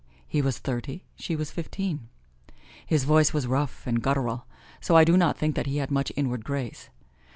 He was thirty, she was fifteen. His voice was rough and guttural, so I do not think he had much inward grace.